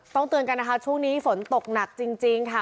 เตือนกันนะคะช่วงนี้ฝนตกหนักจริงค่ะ